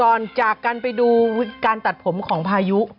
ก่อนจากกันไปดูการตัดผมของพายุ